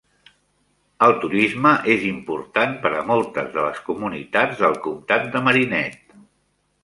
El turisme és important per a moltes de les comunitats del comtat de Marinette.